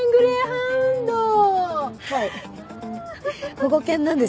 保護犬なんです。